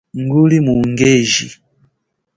Nguli mu ungeji.